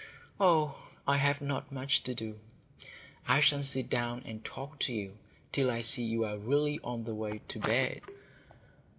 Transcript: "Oh, I have not much to do. I shall sit down and talk to you till I see you are really on the way to bed."